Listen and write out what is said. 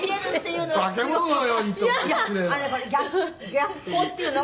「逆光っていうの？